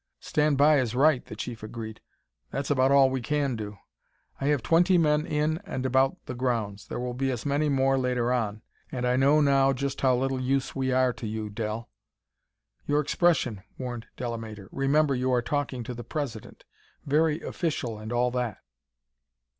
"Stand by is right," the Chief agreed; "that's about all we can do. I have twenty men in and about the grounds there will be as many more later on. And I know now just how little use we are to you, Del." "Your expression!" warned Delamater. "Remember you are talking to the President. Very official and all that."